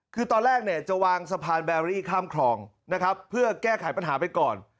คือตอนแรกเนี่ยจะวางสะพานแบรี่ข้ามคลองนะครับเพื่อแก้ไขปัญหาไปก่อน